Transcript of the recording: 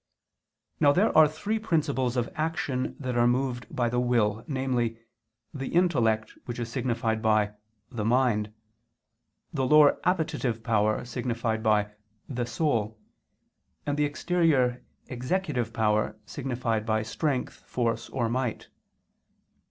Now there are three principles of action that are moved by the will, namely, the intellect which is signified by "the mind," the lower appetitive power, signified by "the soul"; and the exterior executive power signified by "strength," "force" or "might."